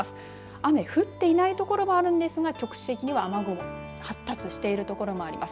雨、降っていない所もあるんですが局地的には雨雲が発達している所があります。